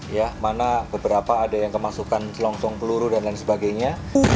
ya mana beberapa ada yang kemasukan selongsong peluru dan lain sebagainya